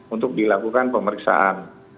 untuk dilakukan pemeriksaan